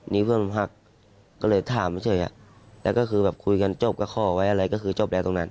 นี่เพื่อนผมหักก็เลยถามเฉยแล้วก็คือแบบคุยกันจบก็ขอไว้อะไรก็คือจบแล้วตรงนั้น